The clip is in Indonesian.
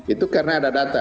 itu karena ada data